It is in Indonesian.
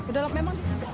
udah lama memang